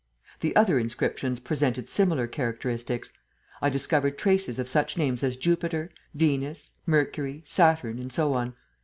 The other inscriptions presented similar characteristics. I discovered traces of such names as Jupiter, Venus, Mercury, Saturn and so on.